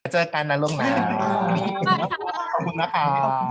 เจอกันนะล่มน้ำขอบคุณนะคะ